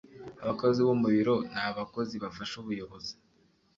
Abakozi bo mu biro ni abakozi bafasha ubuyobozi